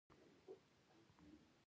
د قانون نشتون پانګوال ځوروي.